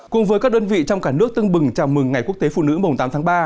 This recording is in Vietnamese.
cùng với các đơn vị trong cả nước tưng bừng chào mừng ngày quốc tế phụ nữ mùng tám tháng ba